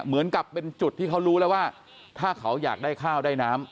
เหมือนกับเป็นจุดที่เขารู้แล้วว่าถ้าเขาอยากได้ข้าวได้น้ำ